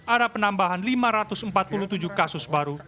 ada penambahan lima ratus empat puluh tujuh kasus baru